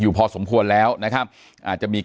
อย่างที่บอกไปว่าเรายังยึดในเรื่องของข้อ